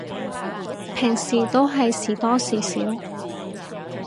平時都係時多時少